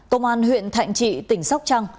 công an huyện thạnh trị tỉnh sóc trăng